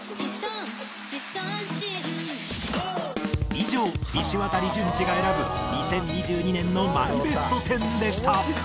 以上いしわたり淳治が選ぶ２０２２年のマイベスト１０でした。